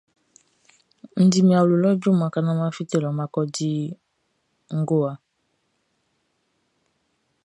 N di min awlo lɔ junmanʼn ka naan mʼan fite lɔ mʼan ko di ngowa.